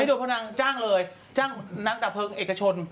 ไม่โดดเพราะนางจ้างเลยจ้างนักกระเพลิงเอกชน